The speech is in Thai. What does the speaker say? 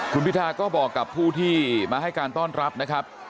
คุณพิทาก็บอกกับผู้ที่มาให้การต้อนรับนะครับ